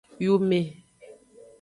Yume.